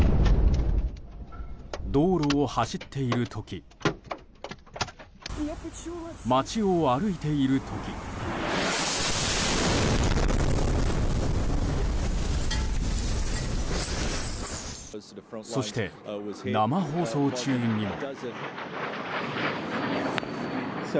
道路を走っている時街を歩いている時そして生放送中にも。